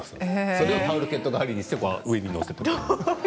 それをタオルケット代わりにして上に載せて。